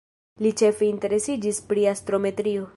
Li ĉefe interesiĝis pri astrometrio.